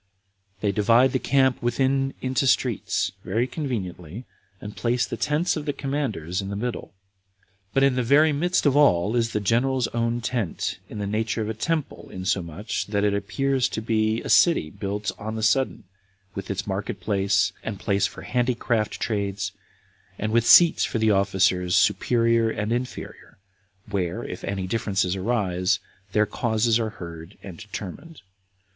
They divide the camp within into streets, very conveniently, and place the tents of the commanders in the middle; but in the very midst of all is the general's own tent, in the nature of a temple, insomuch, that it appears to be a city built on the sudden, with its market place, and place for handicraft trades, and with seats for the officers superior and inferior, where, if any differences arise, their causes are heard and determined.